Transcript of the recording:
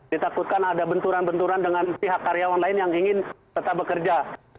ditakutkan ada benturan benturan dengan pihak karyawan lain yang ingin tetap bekerja